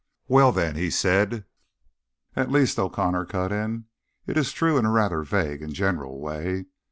"Well, then—" he said. "At least," O'Connor cut in, "it is true in a rather vague and general way.